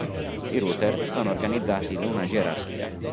I router sono organizzati in una gerarchia.